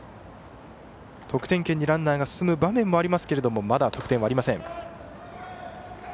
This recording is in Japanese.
得点圏にランナーが進む場面もありますがまだ得点はありません。